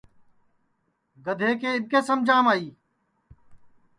گدھے کے اِٻکے سمجام آئی